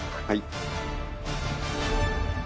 はい。